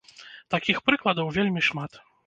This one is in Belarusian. Такіх прыкладаў вельмі шмат.